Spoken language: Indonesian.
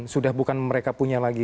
sudah bukan mereka punya lagi